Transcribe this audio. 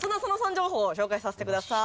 情報を紹介させてください。